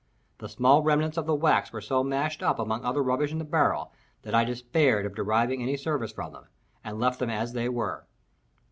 The small remnants of the wax were so mashed up among other rubbish in the barrel, that I despaired of deriving any service from them, and left them as they were.